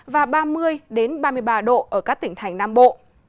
và ba mươi ba mươi ba độ ở các tỉnh thành nam bộ